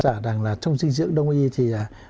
chẳng hạn là trong dinh dưỡng đông y thì